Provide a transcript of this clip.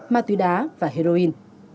ma túy đá và heroin